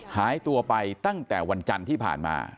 หายตัวไปตั้งแต่วันจันทร์ที่ผ่านมา